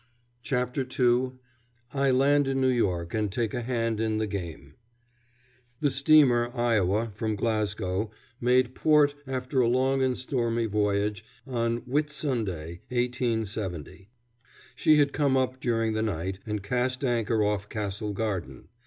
CHAPTER II I LAND IN NEW YORK AND TAKE A HAND IN THE GAME The steamer Iowa, from Glasgow, made port, after a long and stormy voyage, on Whitsunday, 1870. She had come up during the night, and cast anchor off Castle Garden.